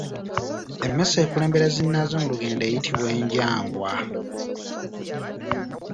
Emmese ekulembera zinnaazo mu lugendo eyitibwa enjangwa.